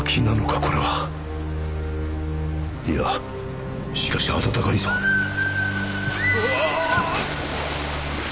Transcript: これはいやしかし温かいぞうおおおわっ！